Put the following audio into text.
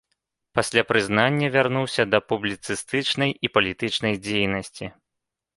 Пасля прызнання вярнуўся да публіцыстычнай і палітычнай дзейнасці.